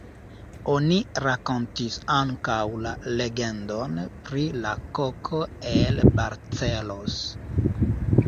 Oni rakontis ankaŭ la legendon pri la koko el Barcelos.